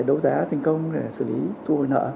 đấu giá thành công để xử lý thu hồi nợ